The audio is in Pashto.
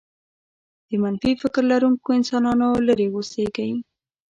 د منفي فكر لرونکو انسانانو لرې اوسېږئ.